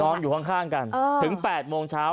อยู่ข้างกันถึง๘โมงเช้า